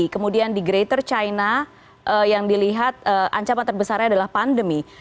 kemudian di greator china yang dilihat ancaman terbesarnya adalah pandemi